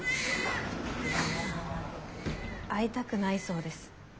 会いたくないそうです。